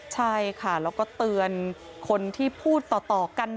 ใช่ค่ะแล้วก็เตือนคนที่พูดต่อกัน